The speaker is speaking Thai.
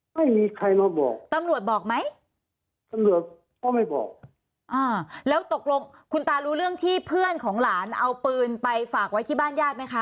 ไม่มีใครมาบอกตำรวจบอกไหมตำรวจก็ไม่บอกอ่าแล้วตกลงคุณตารู้เรื่องที่เพื่อนของหลานเอาปืนไปฝากไว้ที่บ้านญาติไหมคะ